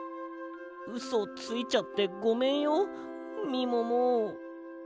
うそついちゃってごめんよみもも。